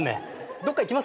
どっか行きます？